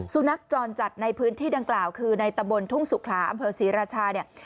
สุนัขจรจัดในพื้นที่ดังกล่าวคือในตะบนทุ่งสุขลาอำเภอศรีราชาเนี่ย